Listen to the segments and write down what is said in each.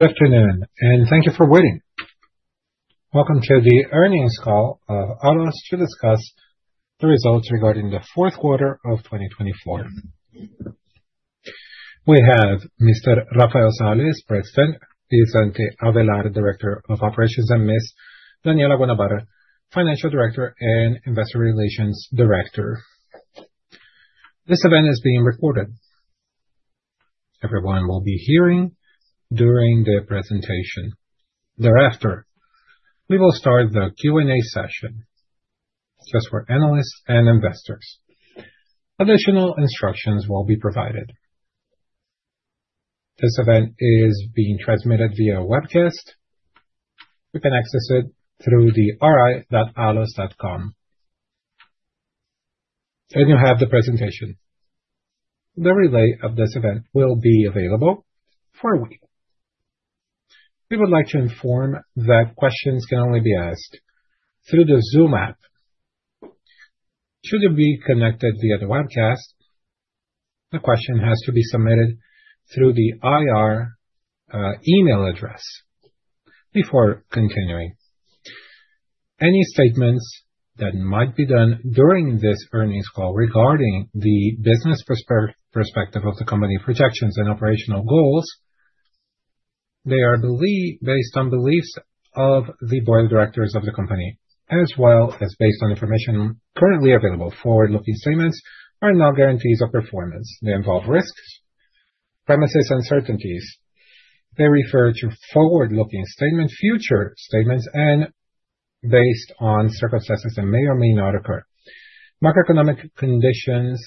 Good afternoon, and thank you for waiting. Welcome to the earnings call of ALLOS to discuss the results regarding the fourth quarter of 2024. We have Mr. Rafael Sales, President, Vicente Avellar, Director of Operations, and Ms. Daniella Guanabara, Financial Director and Investor Relations Director. This event is being recorded. Everyone will be hearing during the presentation. Thereafter, we will start the Q&A session just for analysts and investors. Additional instructions will be provided. This event is being transmitted via webcast. You can access it through the ri.allos.co. You have the presentation. The relay of this event will be available for a week. We would like to inform that questions can only be asked through the Zoom app. Should you be connected via the webcast, the question has to be submitted through the IR email address. Before continuing, any statements that might be done during this earnings call regarding the business perspective of the company projections, and operational goals, they are based on beliefs of the Board of Directors of the company, as well as based on information currently available. Forward-looking statements are not guarantees of performance. They involve risks, premises, and certainties. They refer to forward-looking statements, future statements, and based on circumstances that may or may not occur. Macroeconomic conditions,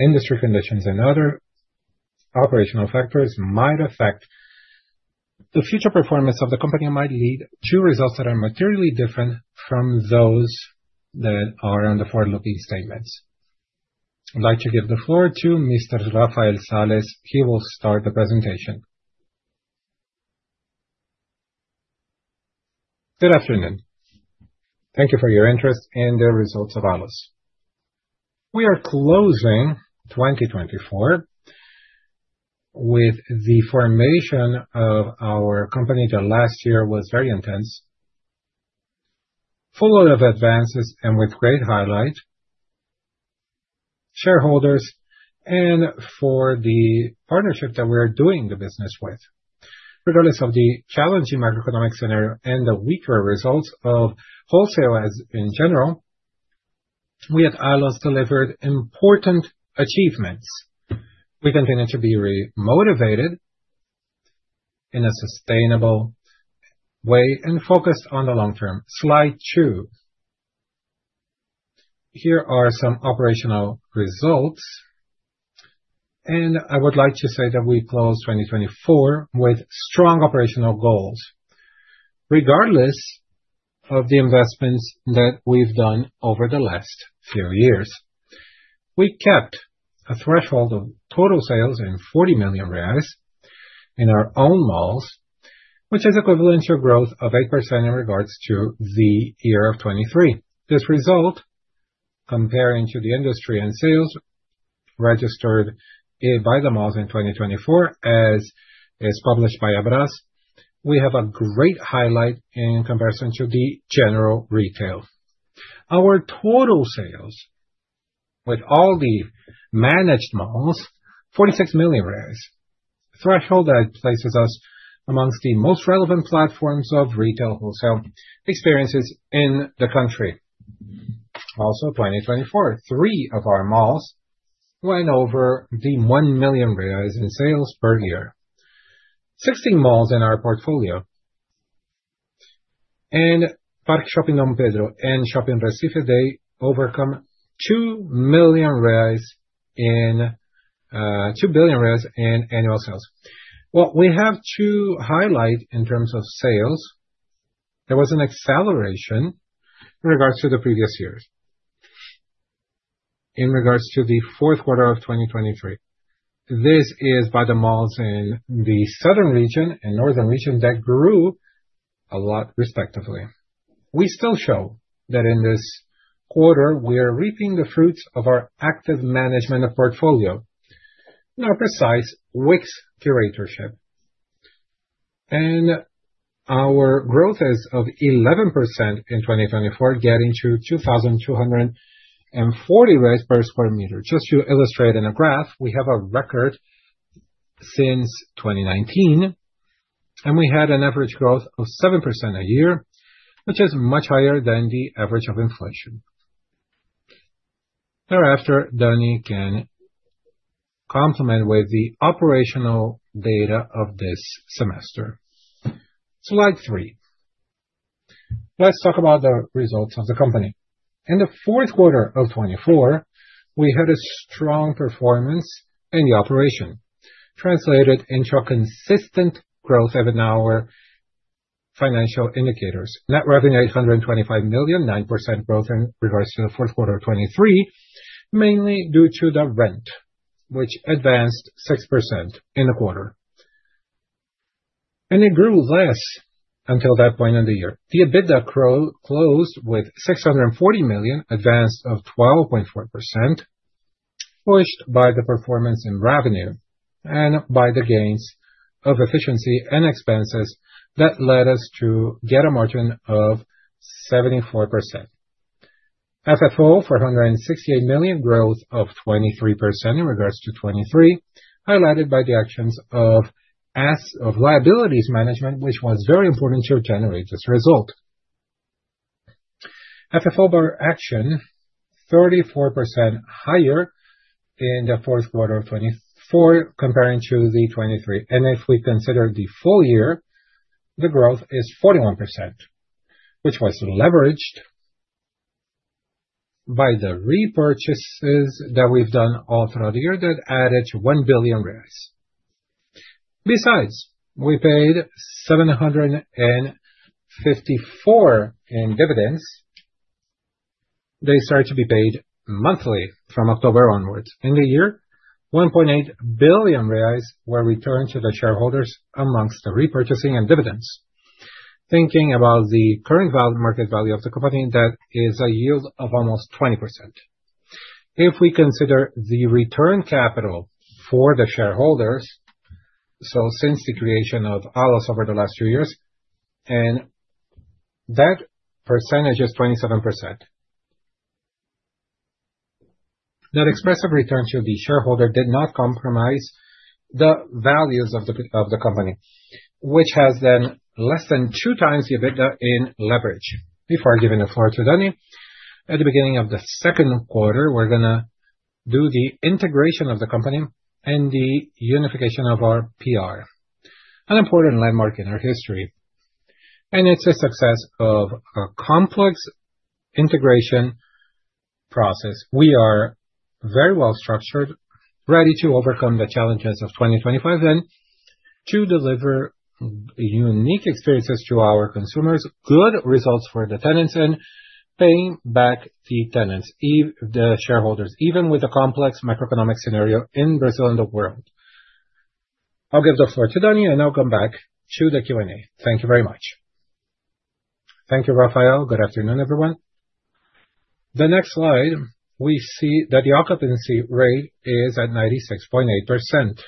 industry conditions, and other operational factors might affect the future performance of the company and might lead to results that are materially different from those that are on the forward-looking statements. I'd like to give the floor to Mr. Rafael Sales. He will start the presentation. Good afternoon. Thank you for your interest in the results of ALLOS. We are closing 2024 with the formation of our company. The last year was very intense, full of advances and with great highlights, shareholders, and for the partnership that we are doing the business with. Regardless of the challenging macroeconomic scenario and the weaker results of wholesale as in general, we at ALLOS delivered important achievements. We continue to be motivated in a sustainable way and focused on the long term. Slide two. Here are some operational results. I would like to say that we closed 2024 with strong operational goals, regardless of the investments that we've done over the last few years. We kept a threshold of total sales in 40 million reais in our own malls, which is equivalent to a growth of 8% in regards to the year of 2023. This result, comparing to the industry and sales registered by the malls in 2024, as is published by Abrasce, we have a great highlight in comparison to the general retail. Our total sales, with all the managed malls, 46 million, a threshold that places us amongst the most relevant platforms of retail wholesale experiences in the country. Also, in 2024, three of our malls went over the 1 million reais in sales per year. 16 malls in our portfolio and Parque Shopping Dom Pedro and Shopping Recife did overcome 2 billion in annual sales. We have to highlight in terms of sales, there was an acceleration in regards to the previous years. In regards to the fourth quarter of 2023, this is by the malls in the Southern Region and Northern Region that grew a lot, respectively. We still show that in this quarter, we are reaping the fruits of our active management of portfolio, now precise mix curatorship. Our growth is of 11% in 2024, getting to 2,240 per sq m. Just to illustrate in a graph, we have a record since 2019, and we had an average growth of 7% a year, which is much higher than the average of inflation. Thereafter, Dani can complement with the operational data of this semester. Slide three. Let's talk about the results of the company. In the fourth quarter of 2024, we had a strong performance in the operation, translated into a consistent growth of our financial indicators. Net revenue, 825 million, 9% growth in regards to the fourth quarter of 2023, mainly due to the rent, which advanced 6% in the quarter. It grew less until that point in the year. The EBITDA closed with 640 million, advanced of 12.4%, pushed by the performance in revenue and by the gains of efficiency and expenses that led us to get a margin of 74%. FFO, 468 million, growth of 23% in regards to 2023, highlighted by the actions of liabilities management, which was very important to generate this result. FFO per action, 34% higher in the fourth quarter of 2024 comparing to the 2023. If we consider the full year, the growth is 41%, which was leveraged by the repurchases that we've done all throughout the year that added to 1 billion reais. Besides, we paid 754 in dividends. They start to be paid monthly from October onwards. In the year, 1.8 billion reais were returned to the shareholders amongst the repurchasing and dividends. Thinking about the current market value of the company, that is a yield of almost 20%. If we consider the return capital for the shareholders, since the creation of ALLOS over the last few years, and that percentage is 27%. That expressive return to the shareholder did not compromise the values of the company, which has then less than 2x EBITDA in leverage. Before I give it a floor to Dani, at the beginning of the second quarter, we are going to do the integration of the company and the unification of our ERP, an important landmark in our history. It is a success of a complex integration process. We are very well structured, ready to overcome the challenges of 2025 and to deliver unique experiences to our consumers, good results for the tenants, and paying back the tenants, the shareholders, even with a complex macroeconomic scenario in Brazil and the world. I'll give the floor to Daniella, and I'll come back to the Q&A. Thank you very much. Thank you, Rafael. Good afternoon, everyone. The next slide, we see that the occupancy rate is at 96.8%,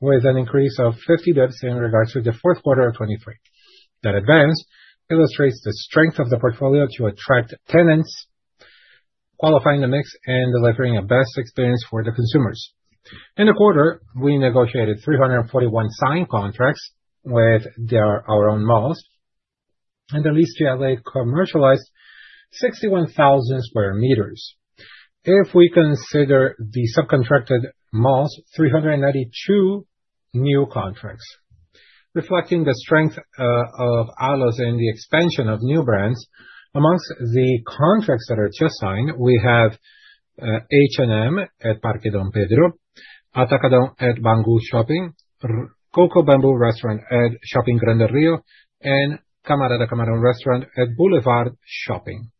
with an increase of 50 basis points in regards to the fourth quarter of 2023. That advance illustrates the strength of the portfolio to attract tenants, qualifying the mix, and delivering a best experience for the consumers. In the quarter, we negotiated 341 signed contracts with our own malls, and the lease GLA commercialized 61,000 sq m. If we consider the subcontracted malls, 392 new contracts. Reflecting the strength of ALLOS and the expansion of new brands, amongst the contracts that are just signed, we have H&M at Parque Dom Pedro, Atacadão at Bangu Shopping, Coco Bambu Restaurant at Shopping Grande Rio, and Camarada Camarão Restaurant at Boulevard Shopping.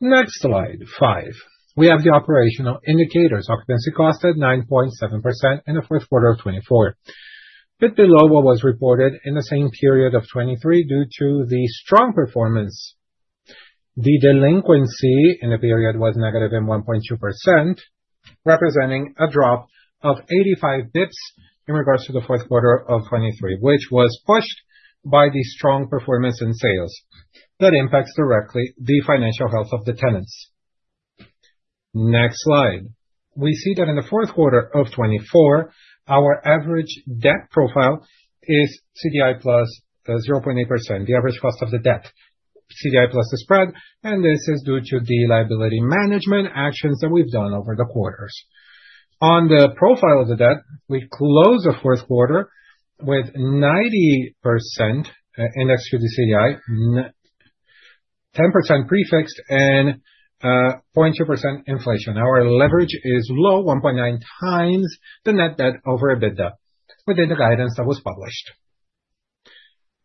Next slide, five. We have the operational indicators. Occupancy costed 9.7% in the fourth quarter of 2024, bit below what was reported in the same period of 2023 due to the strong performance. The delinquency in the period was negative in 1.2%, representing a drop of 85 basis points in regards to the fourth quarter of 2023, which was pushed by the strong performance in sales. That impacts directly the financial health of the tenants. Next slide. We see that in the fourth quarter of 2024, our average debt profile is CDI plus 0.8%, the average cost of the debt, CDI plus the spread, and this is due to the liability management actions that we've done over the quarters. On the profile of the debt, we close the fourth quarter with 90% indexed to the CDI, 10% prefixed, and 0.2% inflation. Our leverage is low, 1.9x the net debt over EBITDA, within the guidance that was published.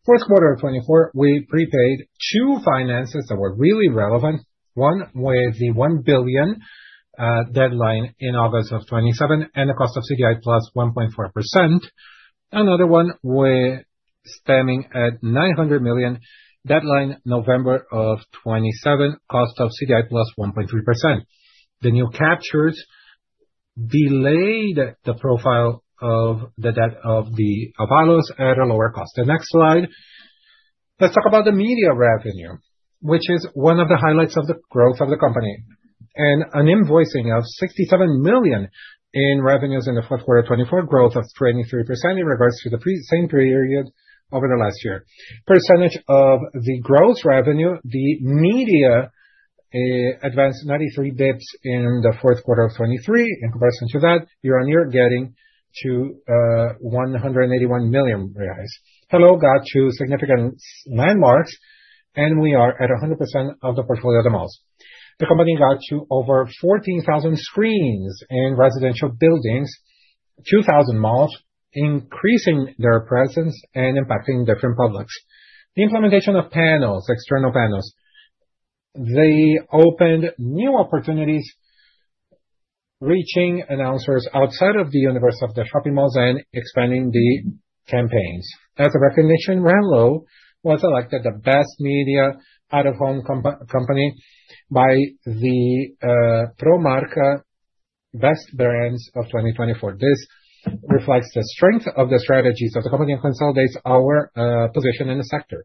Fourth quarter of 2024, we prepaid two finances that were really relevant, one with the 1 billion deadline in August of 2027 and the cost of CDI plus 1.4%. Another one with standing at 900 million, deadline November of 2027, cost of CDI plus 1.3%. The new captures delayed the profile of the debt of the ALLOS at a lower cost. The next slide. Let's talk about the media revenue, which is one of the highlights of the growth of the company. An invoicing of 67 million in revenues in the fourth quarter of 2024, growth of 23% in regards to the same period over the last year. Percentage of the gross revenue, the media advanced 93 basis points in the fourth quarter of 2023. In comparison to that, year-on-year, getting to 181 million reais. Helloo got two significant landmarks, and we are at 100% of the portfolio of the malls. The company got to over 14,000 screens in residential buildings, 2,000 malls, increasing their presence and impacting different publics. The implementation of external panels, they opened new opportunities, reaching announcers outside of the universe of the shopping malls and expanding the campaigns. As a recognition, Helloo was elected the Best Media Out-of-Home Company by the Propmark Best Brands of 2024. This reflects the strength of the strategies of the company and consolidates our position in the sector.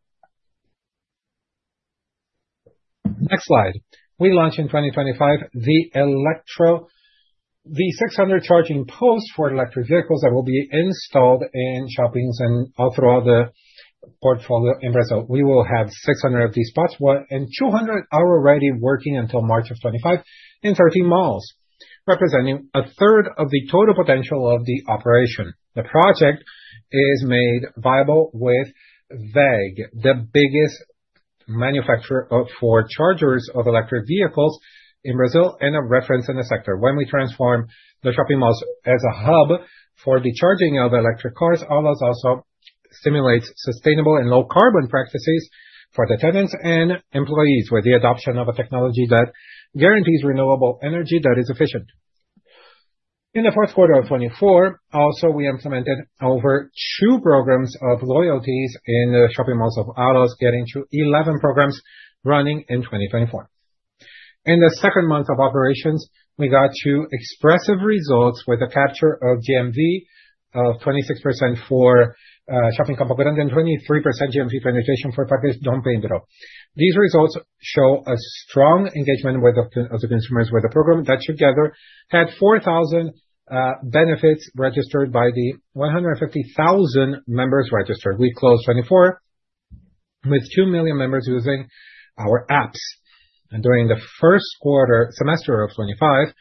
Next slide. We launched in 2025 the 600 charging posts for electric vehicles that will be installed in shoppings and all throughout the portfolio in Brazil. We will have 600 of these spots, and 200 are already working until March of 2025 in 13 malls, representing a third of the total potential of the operation. The project is made viable with WEG, the biggest manufacturer for chargers of electric vehicles in Brazil and a reference in the sector. When we transform the shopping malls as a hub for the charging of electric cars, ALLOS also stimulates sustainable and low-carbon practices for the tenants and employees with the adoption of a technology that guarantees renewable energy that is efficient. In the fourth quarter of 2024, also we implemented over two programs of loyalties in the shopping malls of ALLOS, getting to 11 programs running in 2024. In the second month of operations, we got two expressive results with the capture of GMV of 26% for Shopping Campo Grande and 23% GMV penetration for Parque Dom Pedro. These results show a strong engagement with the consumers with the program that together had 4,000 benefits registered by the 150,000 members registered. We closed 2024 with 2 million members using our apps. During the first quarter semester of 2025,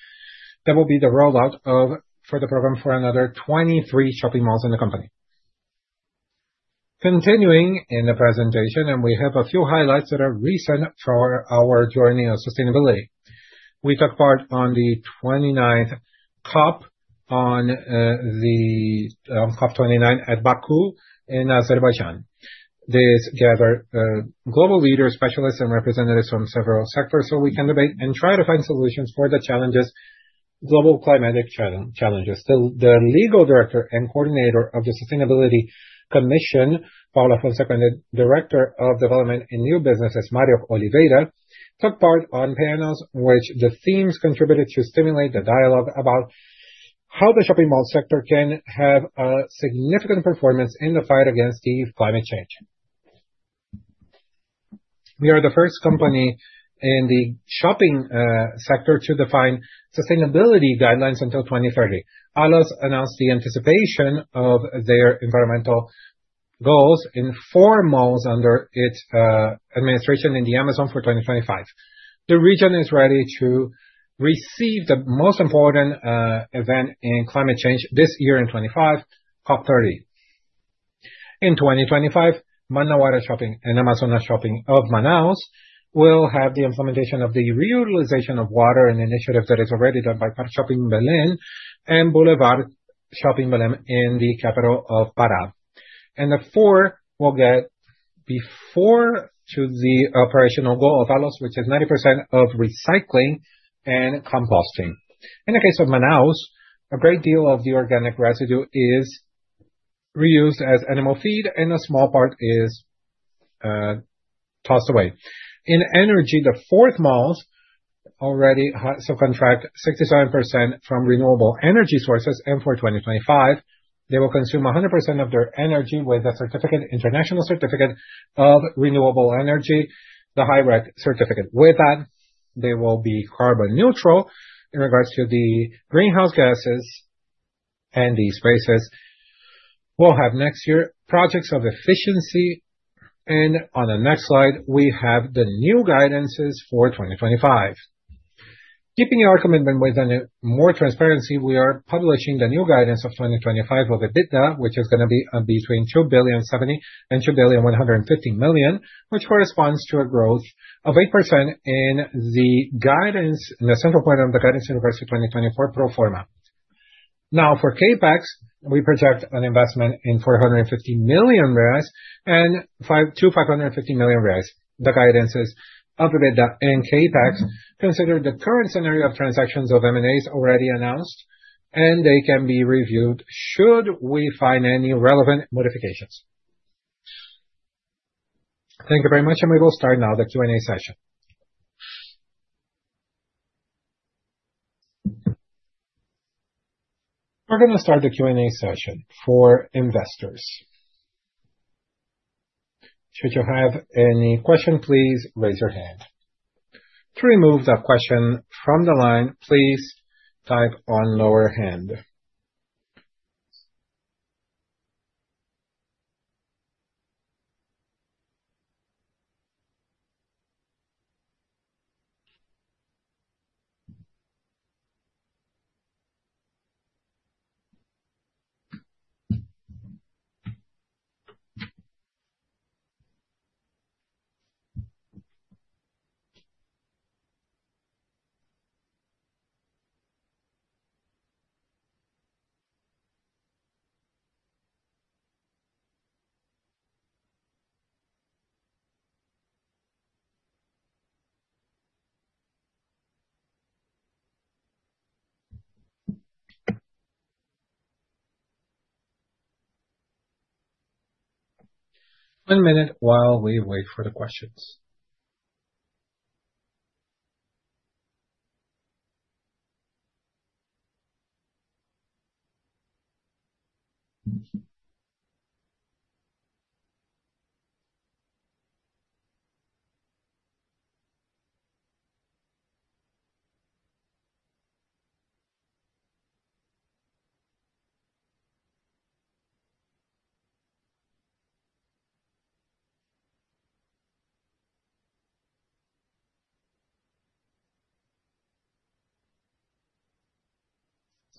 that will be the rollout of the program for another 23 shopping malls in the company. Continuing in the presentation, we have a few highlights that are recent for our journey of sustainability. We took part in the 29th COP, COP29, at Baku in Azerbaijan. This gathered global leaders, specialists, and representatives from several sectors so we can debate and try to find solutions for the challenges, global climatic challenges. The Legal Director and Coordinator of the Sustainability Commission, Paula Fonseca, and the Director of Development and New Businesses, Mário Oliveira, took part on panels which the themes contributed to stimulate the dialogue about how the shopping mall sector can have a significant performance in the fight against climate change. We are the first company in the shopping sector to define sustainability guidelines until 2030. ALLOS announced the anticipation of their environmental goals in four malls under its administration in the Amazon for 2025. The region is ready to receive the most important event in climate change this year in 2025, COP30. In 2025, Manauara Shopping and Amazonas Shopping of Manaus will have the implementation of the reutilization of water, an initiative that is already done by Parque Shopping Belém and Boulevard Shopping Belém in the capital of Pará. The four will get before to the operational goal of ALLOS, which is 90% of recycling and composting. In the case of Manaus, a great deal of the organic residue is reused as animal feed, and a small part is tossed away. In energy, the fourth malls already subcontract 67% from renewable energy sources, and for 2025, they will consume 100% of their energy with a certificate, international certificate of renewable energy, the I-REC certificate. With that, they will be carbon neutral in regards to the greenhouse gases and the spaces. We'll have next year projects of efficiency, and on the next slide, we have the new guidances for 2025. Keeping our commitment with more transparency, we are publishing the new guidance of 2025 of EBITDA, which is going to be between 2.07 billion and 2.15 billion, which corresponds to a growth of 8% in the guidance, in the central point of the guidance in regards to 2024 pro forma. Now, for CapEx, we project an investment in 450 million-550 million reais. The guidances of EBITDA and CapEx consider the current scenario of transactions of M&As already announced, and they can be reviewed should we find any relevant modifications. Thank you very much, and we will start now the Q&A session. We're going to start the Q&A session for investors. Should you have any question, please raise your hand. To remove that question from the line, please type on lower hand. One minute while we wait for the questions.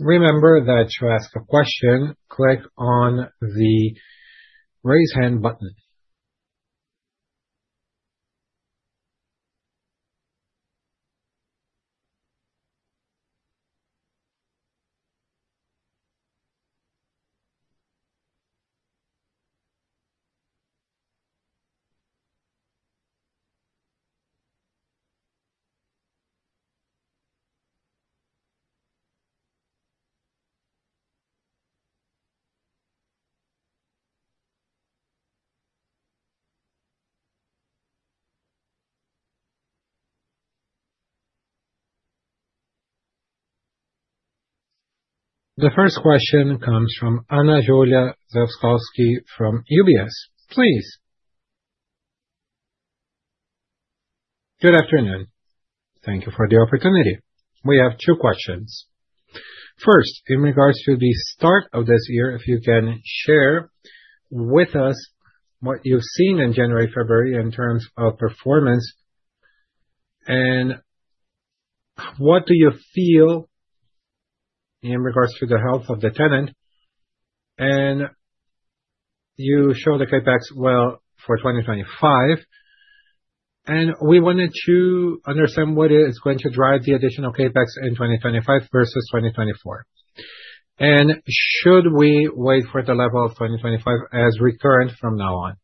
Remember that to ask a question, click on the raise hand button. The first question comes from Ana Júlia Zerkowski from UBS. Please. Good afternoon. Thank you for the opportunity. We have two questions. First, in regards to the start of this year, if you can share with us what you've seen in January, February in terms of performance, and what do you feel in regards to the health of the tenant, and you show the CapEx well for 2025, and we wanted to understand what is going to drive the additional CapEx in 2025 versus 2024. Should we wait for the level of 2025 as recurrent from now on?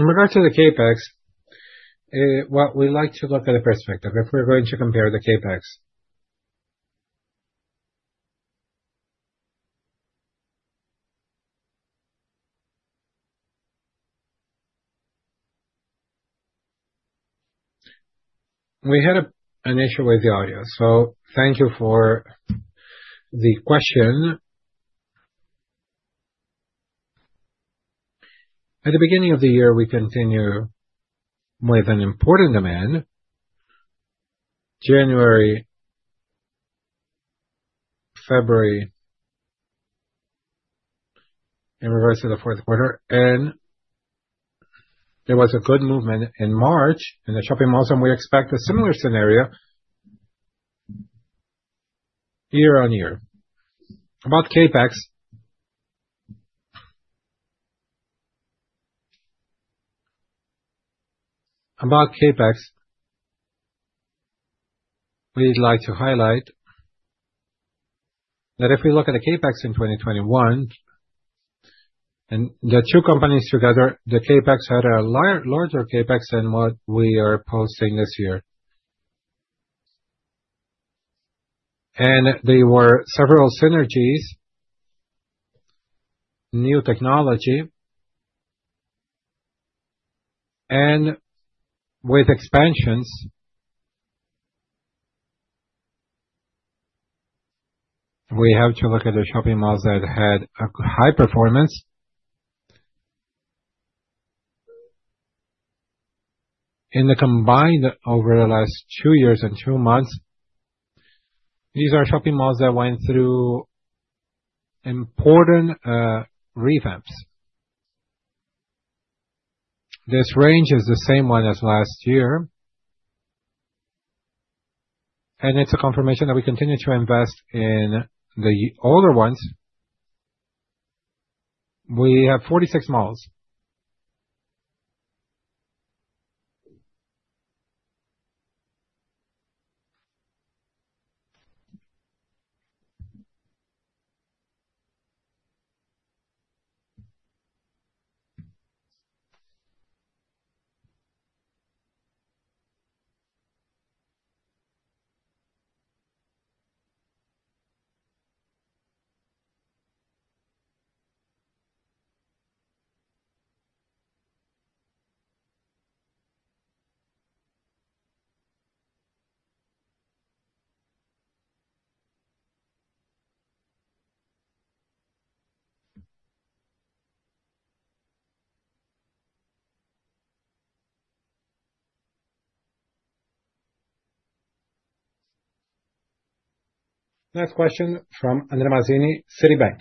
In regards to the CapEx, what we like to look at the perspective if we're going to compare the CapEx. We had an issue with the audio, so thank you for the question. At the beginning of the year, we continue with an important demand. January, February, in regards to the fourth quarter, and there was a good movement in March in the shopping malls, and we expect a similar scenario year-on-year. About CapEx, we'd like to highlight that if we look at the CapEx in 2021, and the two companies together, the CapEx had a larger CapEx than what we are posting this year. There were several synergies, new technology, and with expansions, we have to look at the shopping malls that had a high performance. In the combined over the last two years and two months, these are shopping malls that went through important revamps. This range is the same one as last year, and it's a confirmation that we continue to invest in the older ones. We have 46 malls. Next question from André Mazini, Citibank.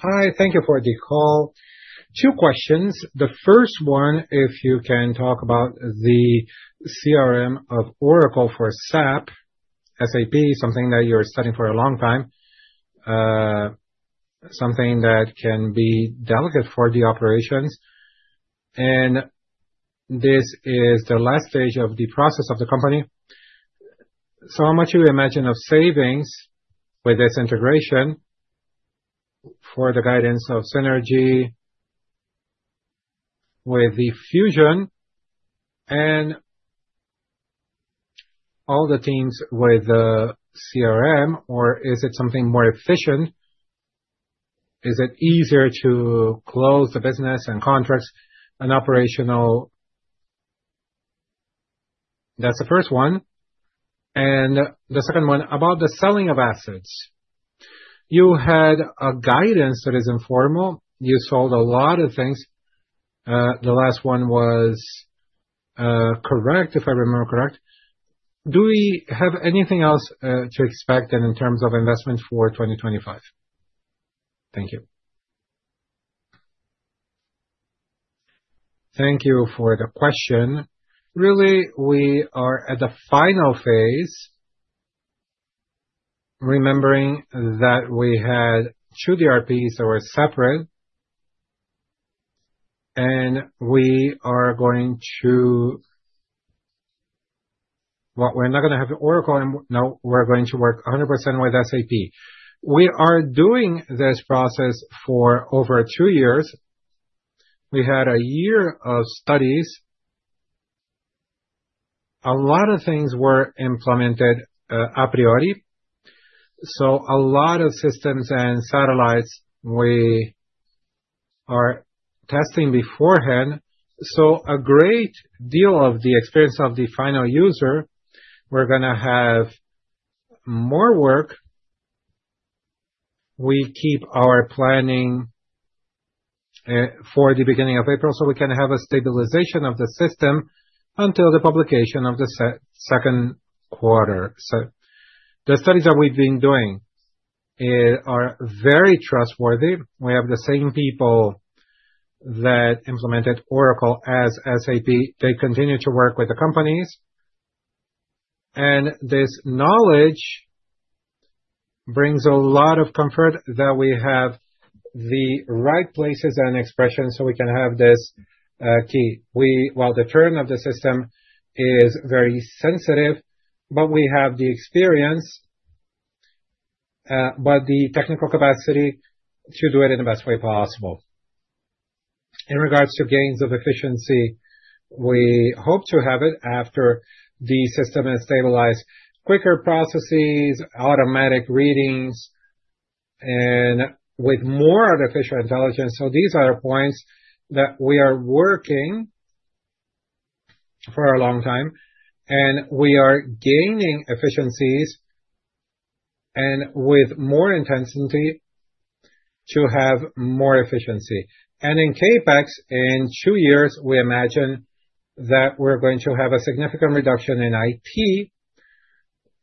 Hi, thank you for the call. Two questions. The first one, if you can talk about the CRM of Oracle for SAP, SAP, something that you're studying for a long time, something that can be delicate for the operations, and this is the last stage of the process of the company. How much do you imagine of savings with this integration for the guidance of synergy with the fusion and all the teams with the CRM, or is it something more efficient? Is it easier to close the business and contracts and operational? That's the first one. The second one about the selling of assets. You had a guidance that is informal. You sold a lot of things. The last one was correct, if I remember correct. Do we have anything else to expect in terms of investment for 2025? Thank you. Thank you for the question. Really, we are at the final phase, remembering that we had two DRPs that were separate, and we are going to—well, we're not going to have Oracle anymore. No, we're going to work 100% with SAP. We are doing this process for over two years. We had a year of studies. A lot of things were implemented a priori. So a lot of systems and satellites we are testing beforehand. So a great deal of the experience of the final user, we're going to have more work. We keep our planning for the beginning of April so we can have a stabilization of the system until the publication of the second quarter. The studies that we've been doing are very trustworthy. We have the same people that implemented Oracle as SAP. They continue to work with the companies. This knowledge brings a lot of comfort that we have the right places and expressions so we can have this key. While the turn of the system is very sensitive, we have the experience and the technical capacity to do it in the best way possible. In regards to gains of efficiency, we hope to have it after the system has stabilized, quicker processes, automatic readings, and with more artificial intelligence. These are points that we are working for a long time, and we are gaining efficiencies and with more intensity to have more efficiency. In CapEx, in two years, we imagine that we're going to have a significant reduction in IT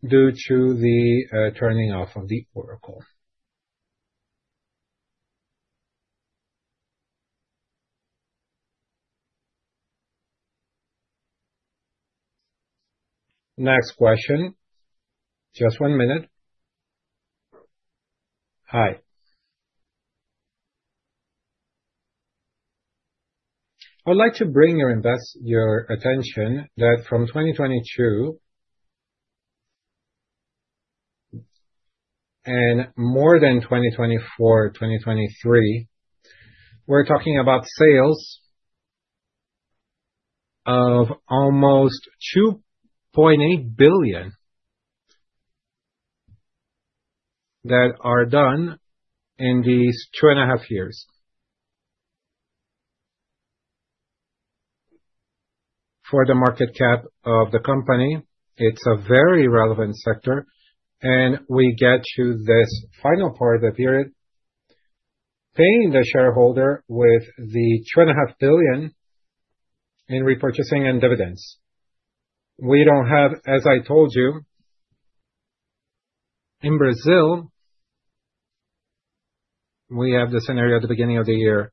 due to the turning off of the Oracle. Next question. Just one minute. Hi. I would like to bring your attention that from 2022 and more than 2024, 2023, we're talking about sales of almost BRL 2.8 billion that are done in these two and a half years. For the market cap of the company, it's a very relevant sector, and we get to this final part of the period, paying the shareholder with the 2.5 billion in repurchasing and dividends. We don't have, as I told you, in Brazil, we have the scenario at the beginning of the year,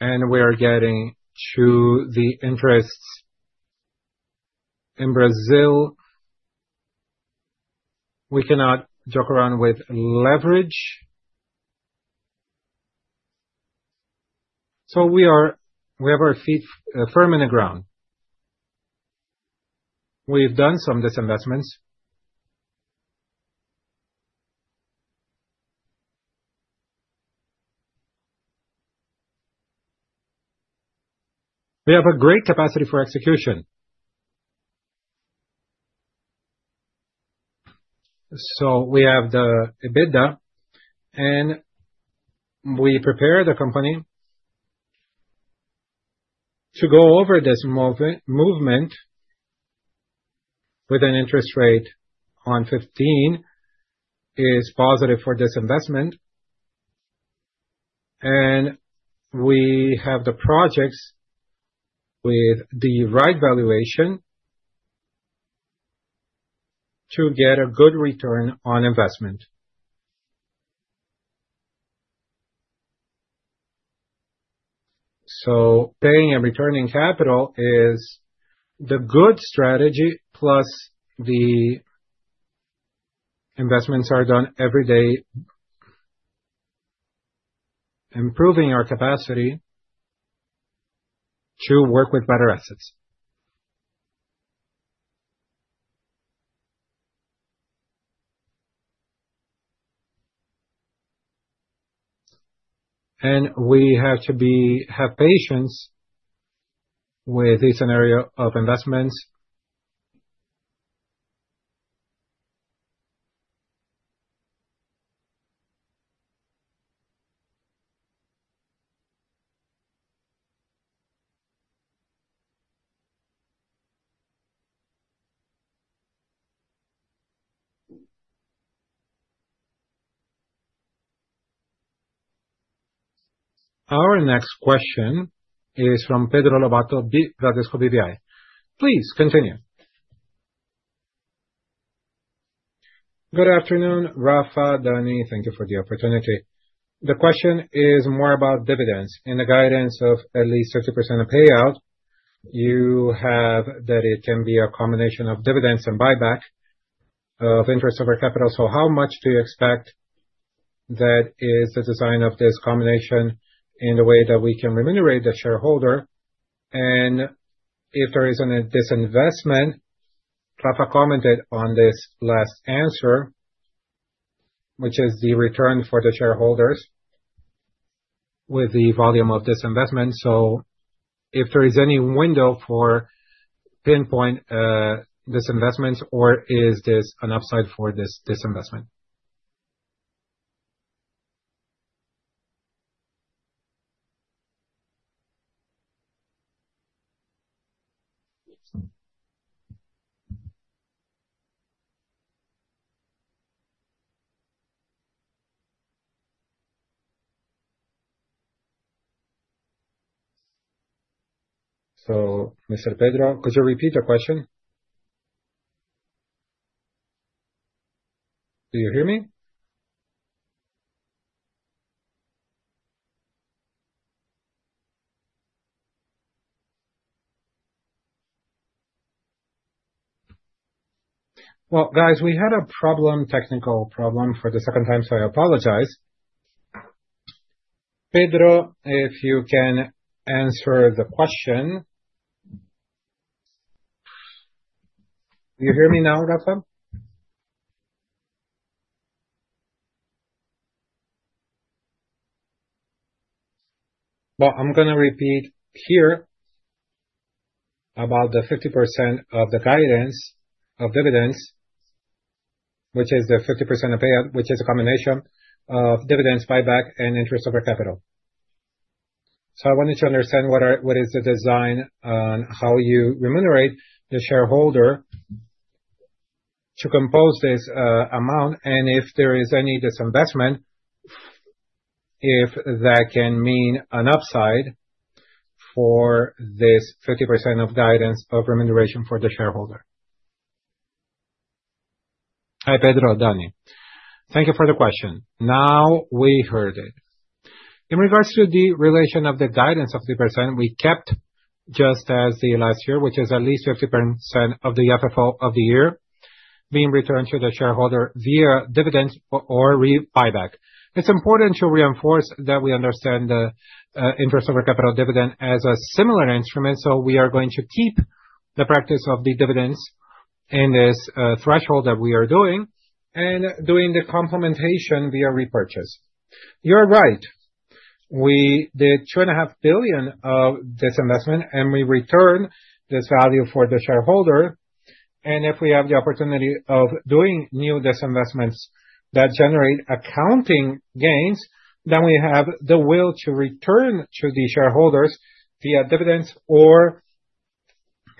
and we are getting to the interests. In Brazil, we cannot joke around with leverage. We have our feet firm in the ground. We've done some disinvestments. We have a great capacity for execution. We have the EBITDA, and we prepare the company to go over this movement with an interest rate on 15 is positive for this investment. We have the projects with the right valuation to get a good return on investment. Paying and returning capital is the good strategy plus the investments are done every day, improving our capacity to work with better assets. We have to have patience with the scenario of investments. Our next question is from Pedro Lobato, Bradesco BBI. Please continue. Good afternoon, Rafa, Dani. Thank you for the opportunity. The question is more about dividends. In the guidance of at least 50% of payout, you have that it can be a combination of dividends and buyback of interest over capital. How much do you expect that is the design of this combination in the way that we can remunerate the shareholder? If there is a disinvestment, Rafa commented on this last answer, which is the return for the shareholders with the volume of disinvestment. If there is any window for pinpoint disinvestments, or is this an upside for this disinvestment? Mr. Pedro, could you repeat the question? Do you hear me? Guys, we had a technical problem for the second time, so I apologize. Pedro, if you can answer the question. Do you hear me now, Rafa? I'm going to repeat here about the 50% of the guidance of dividends, which is the 50% of payout, which is a combination of dividends, buyback, and interest over capital. I wanted to understand what is the design on how you remunerate the shareholder to compose this amount, and if there is any disinvestment, if that can mean an upside for this 50% of guidance of remuneration for the shareholder. Hi, Pedro, Dani. Thank you for the question. Now we heard it. In regards to the relation of the guidance of the 50%, we kept just as the last year, which is at lEast 50% of the FFO of the year being returned to the shareholder via dividends or buyback. It's important to reinforce that we understand the interest over capital dividend as a similar instrument. So we are going to keep the practice of the dividends in this threshold that we are doing and doing the complementation via repurchase. You're right. We did 2.5 billion of disinvestment, and we returned this value for the shareholder. If we have the opportunity of doing new disinvestments that generate accounting gains, then we have the will to return to the shareholders via dividends or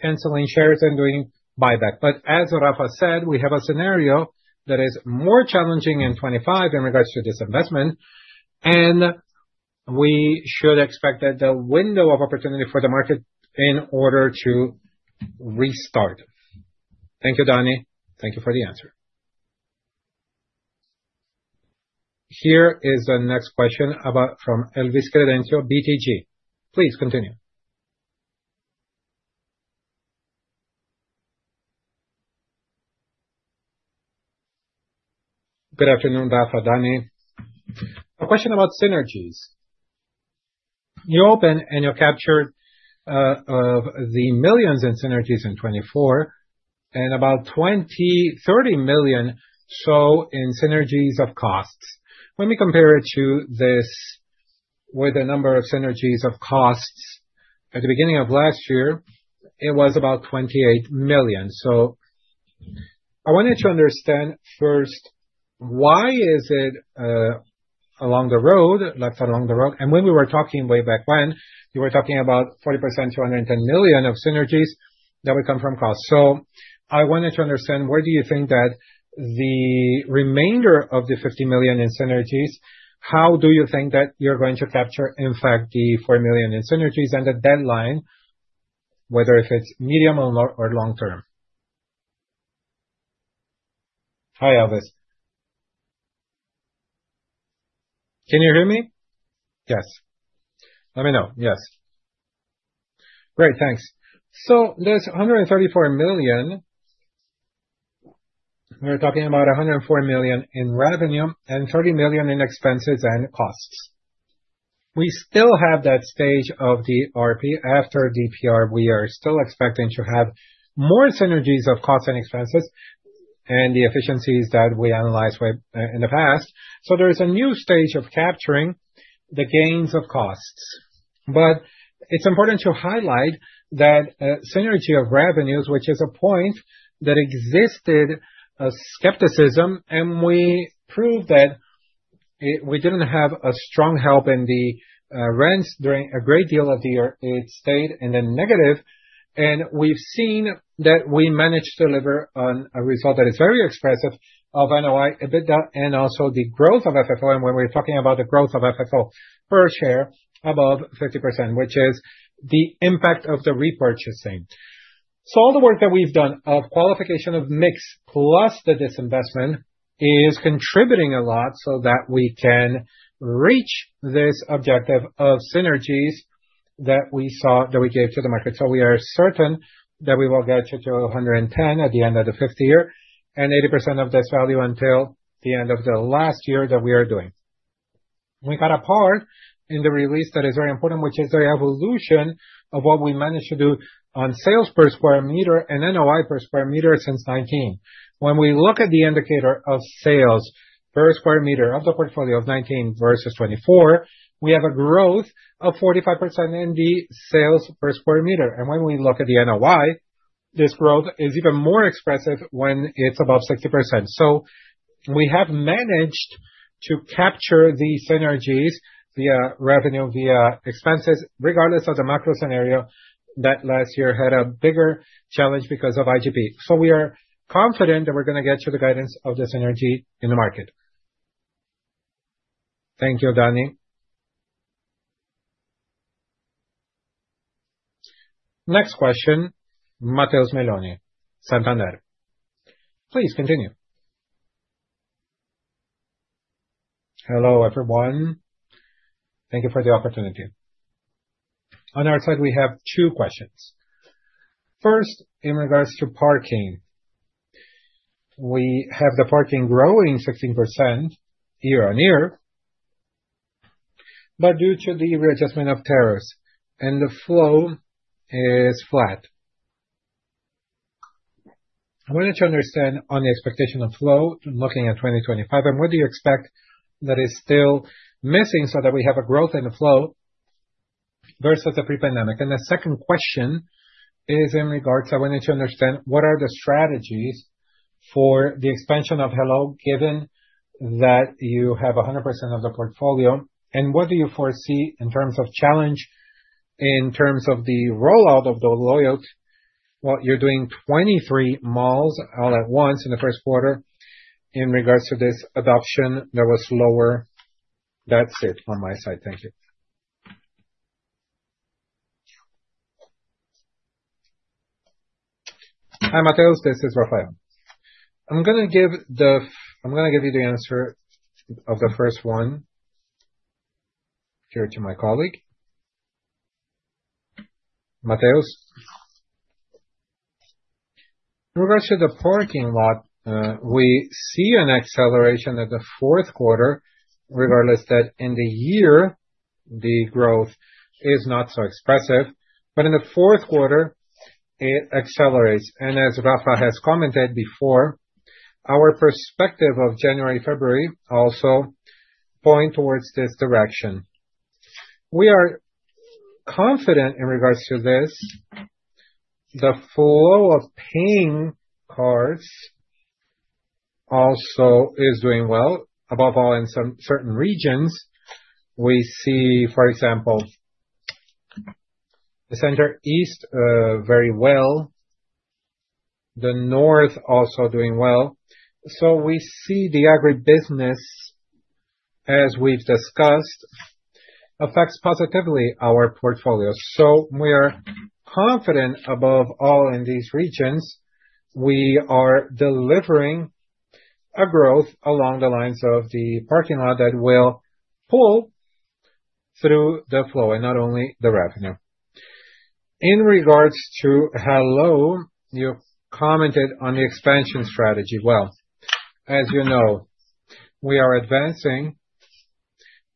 canceling shares and doing buyback. As Rafa said, we have a scenario that is more challenging in 2025 in regards to disinvestment, and we should expect that the window of opportunity for the market in order to restart. Thank you, Dani. Thank you for the answer. Here is the next question from Elvis Credendio, BTG. Please continue. Good afternoon, Rafa, Dani. A question about synergies. You open and you captured the millions in synergies in 2024 and about 20-30 million so in synergies of costs. When we compare this with the number of synergies of costs at the beginning of last year, it was about 28 million. I wanted to understand first, why is it along the road, left along the road? When we were talking way back when, you were talking about 40%, 210 million of synergies that would come from costs. I wanted to understand, where do you think that the remainder of the 50 million in synergies, how do you think that you're going to capture, in fact, the 4 million in synergies and the deadline, whether if it's medium or long term? Hi, Elvis. Can you hear me? Yes. Let me know. Yes. Great. Thanks. There's 134 million. We're talking about 104 million in revenue and 30 million in expenses and costs. We still have that stage of the ERP. After ERP, we are still expecting to have more synergies of costs and expenses and the efficiencies that we analyzed in the past. There is a new stage of capturing the gains of costs. It is important to highlight that synergy of revenues, which is a point that existed skepticism, and we proved that we did not have a strong help in the rents during a great deal of the year. It stayed in the negative. We have seen that we managed to deliver on a result that is very expressive of NOI, EBITDA, and also the growth of FFO. When we are talking about the growth of FFO per share above 50%, which is the impact of the repurchasing. All the work that we have done of qualification of mix plus the disinvestment is contributing a lot so that we can reach this objective of synergies that we saw that we gave to the market. We are certain that we will get to 110 at the end of the fifth year and 80% of this value until the end of the last year that we are doing. We got a part in the release that is very important, which is the evolution of what we managed to do on sales per square meter and NOI per square meter since 2019. When we look at the indicator of sales per square meter of the portfolio of 2019 versus 2024, we have a growth of 45% in the sales per square meter. When we look at the NOI, this growth is even more expressive when it's above 60%. We have managed to capture the synergies via revenue, via expenses, regardless of the macro scenario that last year had a bigger challenge because of IGP-M. We are confident that we're going to get to the guidance of the synergy in the market. Thank you, Dani. Next question, Matheus Meloni, Santander. Please continue. Hello, everyone. Thank you for the opportunity. On our side, we have two questions. First, in regards to parking, we have the parking growing 16% year-on-year, but due to the readjustment of tariffs and the flow is flat. I wanted to understand on the expectation of flow looking at 2025, and what do you expect that is still missing so that we have a growth in the flow versus the pre-pandemic? The second question is in regards to I wanted to understand what are the strategies for the expansion of Helloo given that you have 100% of the portfolio and what do you foresee in terms of challenge in terms of the rollout of the loyalty? You're doing 23 malls all at once in the first quarter in regards to this adoption. There was lower. That's it on my side. Thank you. Hi, Matheus. This is Rafael. I'm going to give you the answer of the first one here to my colleague. Matheus, in regards to the parking lot, we see an acceleration at the fourth quarter, regardless that in the year, the growth is not so expressive. In the fourth quarter, it accelerates. As Rafa has commented before, our perspective of January, February also points towards this direction. We are confident in regards to this. The flow of paying cards also is doing well. Above all, in some certain regions, we see, for example, the Center East very well. The North also doing well. We see the agribusiness, as we've discussed, affects positively our portfolio. We are confident above all in these regions. We are delivering a growth along the lines of the parking lot that will pull through the flow and not only the revenue. In regards to Helloo, you commented on the expansion strategy. As you know, we are advancing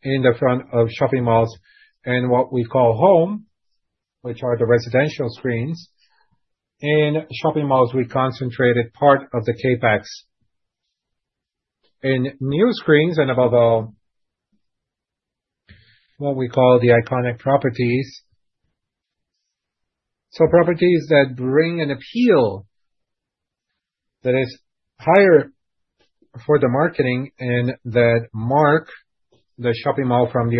in the front of shopping malls and what we call home, which are the residential screens. In shopping malls, we concentrated part of the CapEx in new screens and above all, what we call the iconic properties. Properties that bring an appeal that is higher for the marketing and that mark the shopping mall from the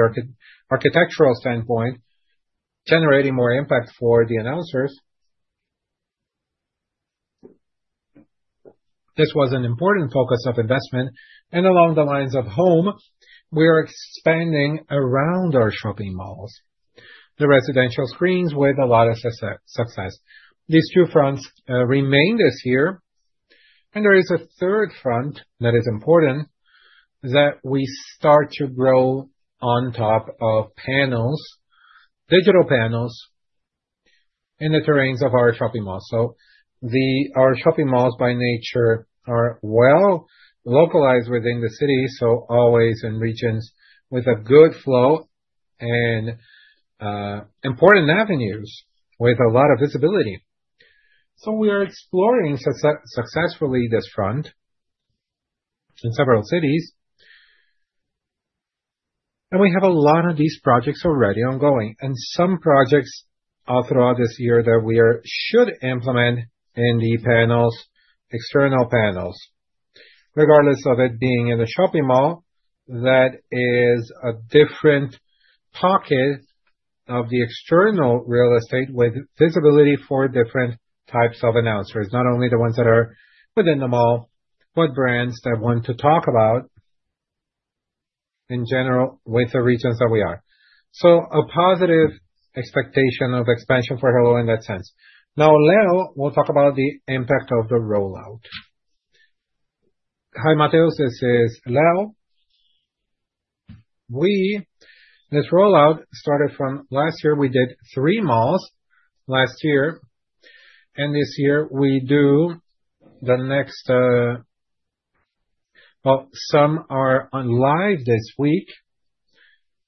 architectural standpoint, generating more impact for the announcers. This was an important focus of investment. Along the lines of home, we are expanding around our shopping malls, the residential screens with a lot of success. These two fronts remain this year. There is a third front that is important that we start to grow on top of panels, digital panels in the terrains of our shopping malls. Our shopping malls by nature are well localized within the city, always in regions with a good flow and important avenues with a lot of visibility. We are exploring successfully this front in several cities. We have a lot of these projects already ongoing and some projects all throughout this year that we should implement in the external panels. Regardless of it being in a shopping mall, that is a different pocket of the external real estate with visibility for different types of announcers, not only the ones that are within the mall, but brands that want to talk about in general with the regions that we are. A positive expectation of expansion for Helloo in that sense. Now, Leo, we'll talk about the impact of the rollout. Hi, Matheus. This is Leo. This rollout started from last year. We did three malls last year. This year, we do the next, some are live this week.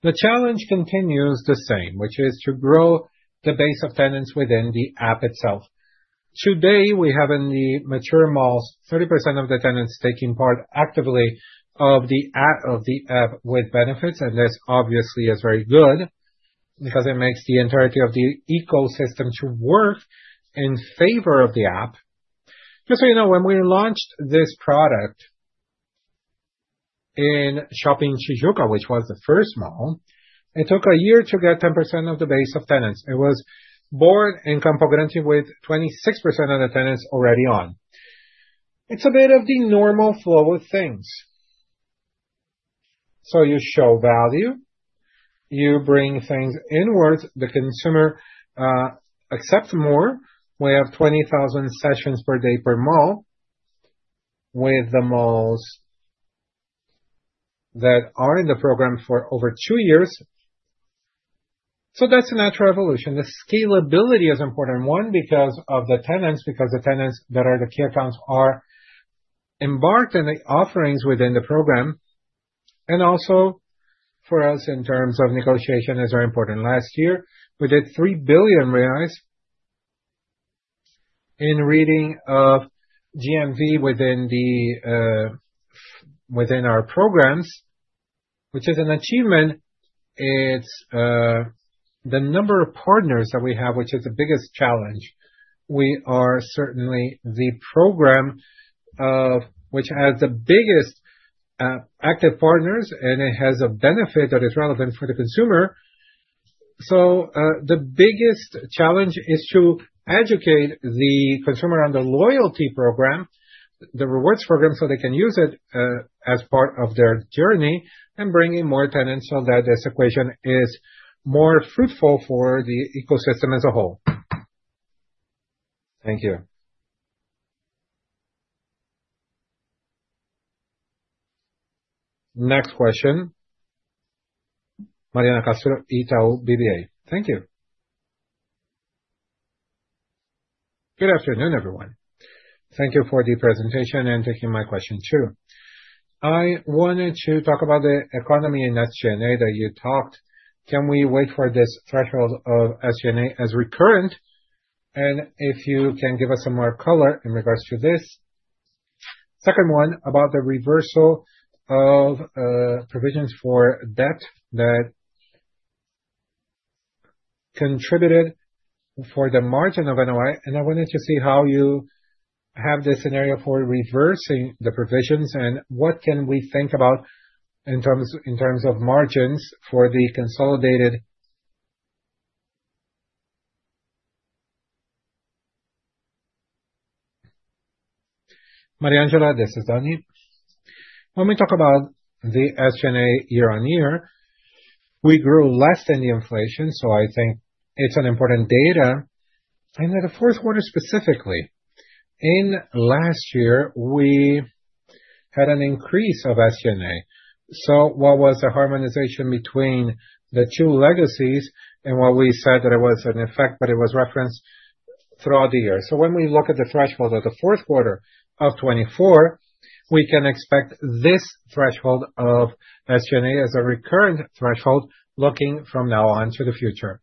The challenge continues the same, which is to grow the base of tenants within the app itself. Today, we have in the mature malls, 30% of the tenants taking part actively of the app with benefits. This obviously is very good because it makes the entirety of the ecosystem work in favor of the app. Just so you know, when we launched this product in Shopping Tijuca, which was the first mall, it took a year to get 10% of the base of tenants. It was born in Campo Grande with 26% of the tenants already on. It's a bit of the normal flow of things. You show value. You bring things inwards. The consumer accepts more. We have 20,000 sessions per day per mall with the malls that are in the program for over two years. That is a natural evolution. The scalability is important, one because of the tenants, because the tenants that are the key accounts are embarked in the offerings within the program. Also for us, in terms of negotiation, it is very important. Last year, we did 3 billion reais in reading of GMV within our programs, which is an achievement. It is the number of partners that we have, which is the biggest challenge. We are certainly the program which has the biggest active partners, and it has a benefit that is relevant for the consumer. The biggest challenge is to educate the consumer on the loyalty program, the rewards program, so they can use it as part of their journey and bring in more tenants so that this equation is more fruitful for the ecosystem as a whole. Thank you. Next question. Mariana Castro, Itaú BBA. Thank you. Good afternoon, everyone. Thank you for the presentation and taking my question too. I wanted to talk about the economy in SG&A that you talked. Can we wait for this threshold of SG&A as recurrent? And if you can give us some more color in regards to this. Second one, about the reversal of provisions for debt that contributed for the margin of NOI. I wanted to see how you have this scenario for reversing the provisions and what can we think about in terms of margins for the consolidated. Mariangela, this is Dani. When we talk about the SG&A year-on-year, we grew less than the inflation. I think it's an important data. The fourth quarter specifically, in last year, we had an increase of SG&A. What was the harmonization between the two legacies and what we said that it was an effect, but it was referenced throughout the year. When we look at the threshold of the fourth quarter of 2024, we can expect this threshold of SG&A as a recurrent threshold looking from now on to the future.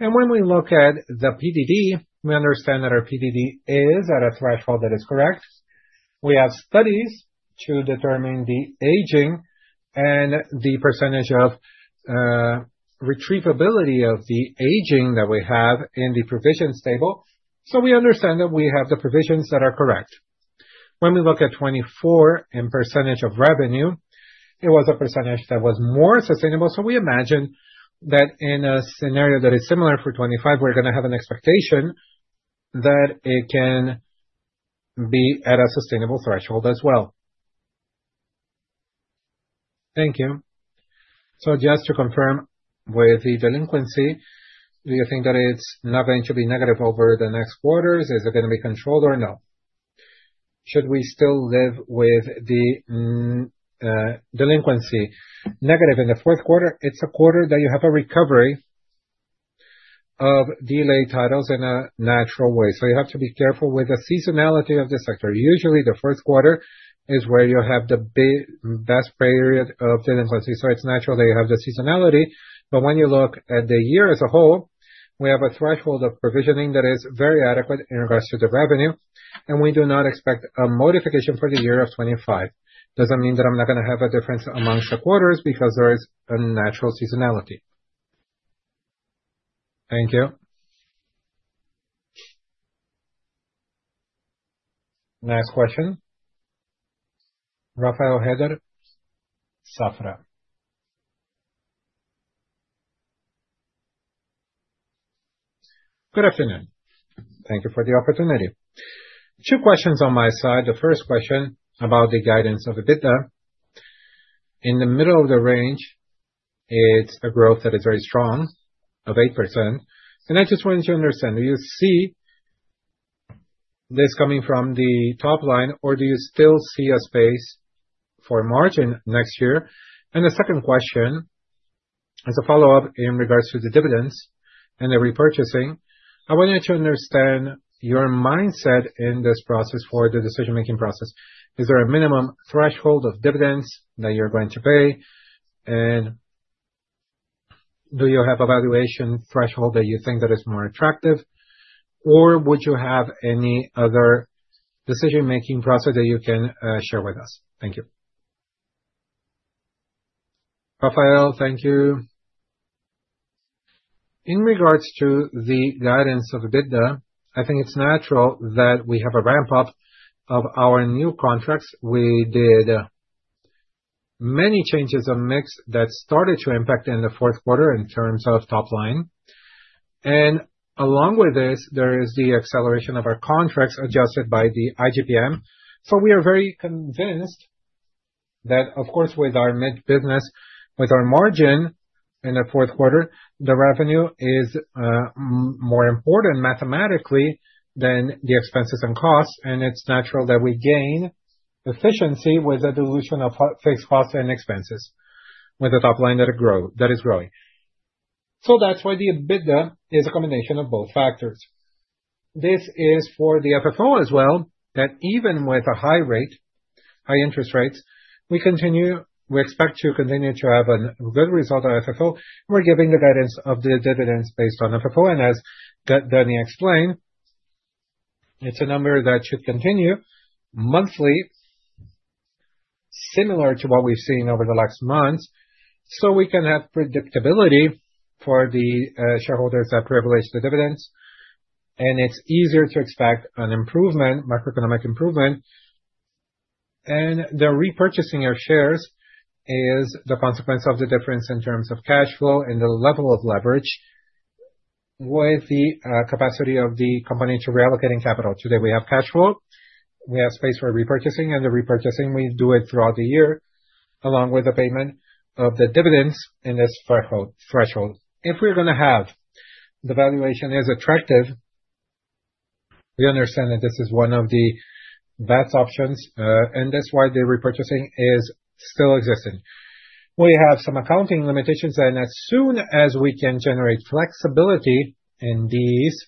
When we look at the PDD, we understand that our PDD is at a threshold that is correct. We have studies to determine the aging and the percentage of retrievability of the aging that we have in the provisions table. We understand that we have the provisions that are correct. When we look at 2024 in percentage of revenue, it was a percentage that was more sustainable. We imagine that in a scenario that is similar for 2025, we're going to have an expectation that it can be at a sustainable threshold as well. Thank you. Just to confirm with the delinquency, do you think that it's not going to be negative over the next quarters? Is it going to be controlled or no? Should we still live with the delinquency negative in the fourth quarter? It's a quarter that you have a recovery of delayed titles in a natural way. You have to be careful with the seasonality of the sector. Usually, the fourth quarter is where you have the best period of delinquency. It's natural that you have the seasonality. When you look at the year as a whole, we have a threshold of provisioning that is very adequate in regards to the revenue. We do not expect a modification for the year of 2025. That does not mean that I am not going to have a difference amongst the quarters because there is a natural seasonality. Thank you. Next question. Rafael Rehder, Safra. Good afternoon. Thank you for the opportunity. Two questions on my side. The first question about the guidance of EBITDA. In the middle of the range, it is a growth that is very strong of 8%. I just wanted to understand, do you see this coming from the top line, or do you still see a space for margin next year? The second question is a follow-up in regards to the dividends and the repurchasing. I wanted to understand your mindset in this process for the decision-making process. Is there a minimum threshold of dividends that you're going to pay? Do you have a valuation threshold that you think that is more attractive? Would you have any other decision-making process that you can share with us? Thank you. Rafael, thank you. In regards to the guidance of EBITDA, I think it's natural that we have a ramp-up of our new contracts. We did many changes of mix that started to impact in the fourth quarter in terms of top line. Along with this, there is the acceleration of our contracts adjusted by the IGP-M. We are very convinced that, of course, with our mid-business, with our margin in the fourth quarter, the revenue is more important mathematically than the expenses and costs. It is natural that we gain efficiency with the dilution of fixed costs and expenses with a top line that is growing. That is why the EBITDA is a combination of both factors. This is for the FFO as well, that even with a high rate, high interest rates, we expect to continue to have a good result of FFO. We are giving the guidance of the dividends based on FFO. As Dani explained, it is a number that should continue monthly, similar to what we have seen over the last months. We can have predictability for the shareholders that privilege the dividends. It is easier to expect an improvement, macroeconomic improvement. The repurchasing of shares is the consequence of the difference in terms of cash flow and the level of leverage with the capacity of the company to reallocate capital. Today, we have cash flow. We have space for repurchasing. The repurchasing, we do it throughout the year along with the payment of the dividends in this threshold. If we're going to have the valuation is attractive, we understand that this is one of the best options. That's why the repurchasing is still existing. We have some accounting limitations. As soon as we can generate flexibility in these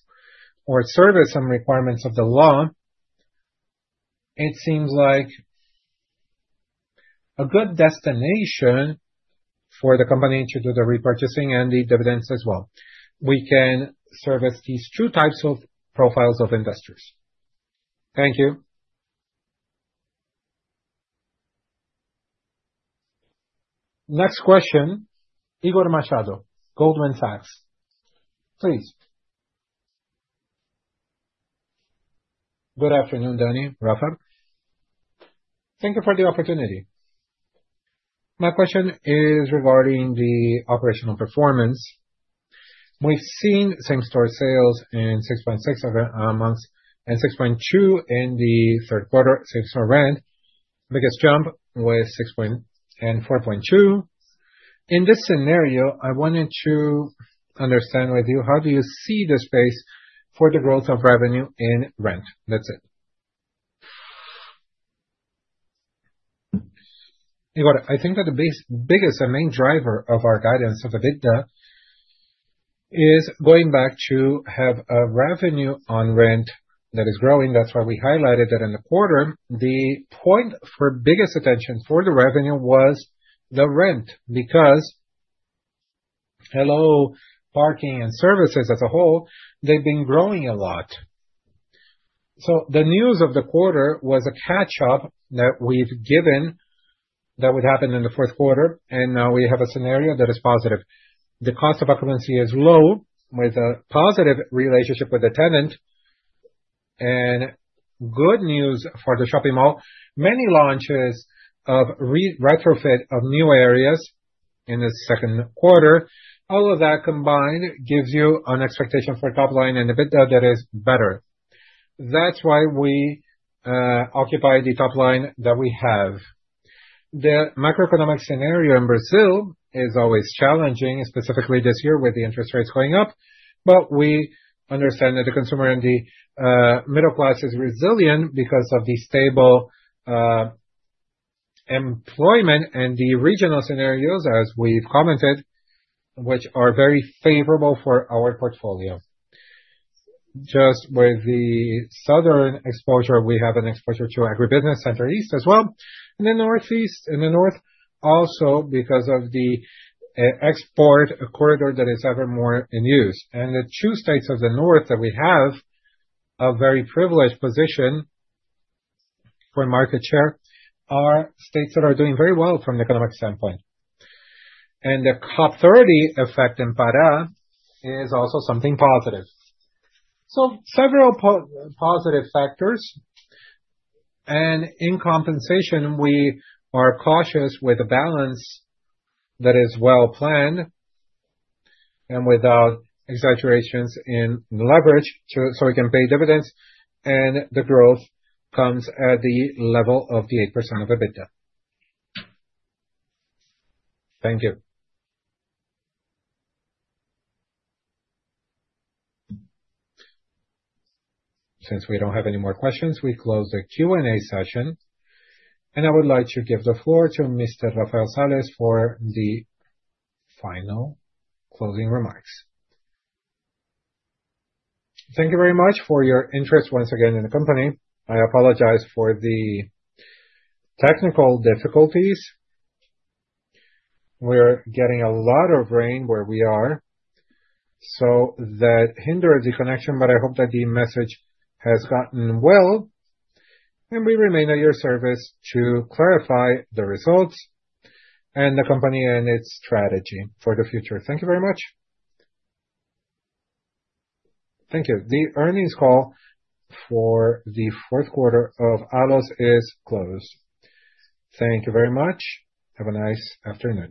or service some requirements of the law, it seems like a good destination for the company to do the repurchasing and the dividends as well. We can service these two types of profiles of investors. Thank you. Next question. Igor Machado, Goldman Sachs. Please. Good afternoon, Dani, Rafael. Thank you for the opportunity. My question is regarding the operational performance. We've seen same-store sales in 6.6 months and 6.2 in the third quarter, same-store rent. Biggest jump was 6.4 and 4.2. In this scenario, I wanted to understand with you, how do you see the space for the growth of revenue in rent? That's it. Igor, I think that the biggest and main driver of our guidance of EBITDA is going back to have a revenue on rent that is growing. That's why we highlighted that in the quarter. The point for biggest attention for the revenue was the rent because Helloo, parking, and services as a whole, they've been growing a lot. The news of the quarter was a catch-up that we've given that would happen in the fourth quarter. Now we have a scenario that is positive. The cost of occupancy is low with a positive relationship with the tenant. Good news for the shopping mall, many launches of retrofit of new areas in the second quarter. All of that combined gives you an expectation for top line and EBITDA that is better. That's why we occupy the top line that we have. The macroeconomic scenario in Brazil is always challenging, specifically this year with the interest rates going up. We understand that the consumer and the middle class is resilient because of the stable employment and the regional scenarios, as we've commented, which are very favorable for our portfolio. Just with the Southern exposure, we have an exposure to agribusiness Center East as well. In the Northeast, in the North, also because of the export corridor that is ever more in use. The two states of the North that we have a very privileged position for market share are states that are doing very well from the economic standpoint. The COP30 effect in Pará is also something positive. Several positive factors. In compensation, we are cautious with a balance that is well-planned and without exaggerations in leverage so we can pay dividends. The growth comes at the level of the 8% of EBITDA. Thank you. Since we do not have any more questions, we close the Q&A session. I would like to give the floor to Mr. Rafael Sales for the final closing remarks. Thank you very much for your interest once again in the company. I apologize for the technical difficulties. We are getting a lot of rain where we are. That hindered the connection, but I hope that the message has gotten well. We remain at your service to clarify the results and the company and its strategy for the future. Thank you very much. Thank you. The earnings call for the fourth quarter of ALLOS is closed. Thank you very much. Have a nice afternoon.